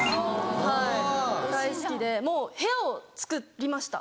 はい大好きでもう部屋を作りました。